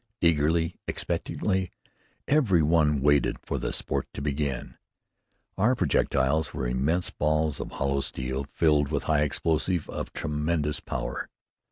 Eagerly, expectantly, every one waited for the sport to begin. Our projectiles were immense balls of hollow steel, filled with high explosive of tremendous power.